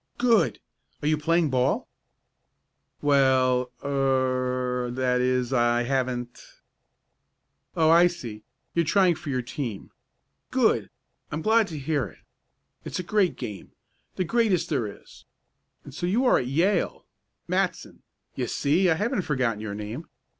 "Good! Are you playing ball?" "Well er I that is I haven't " "Oh, I see. You're trying for your team. Good! I'm glad to hear it. It's a great game the greatest there is. And so you are at Yale Matson you see I haven't forgotten your name.